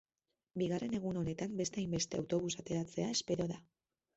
Bigarren egun honetan beste hainbeste autobus ateratzea espero da.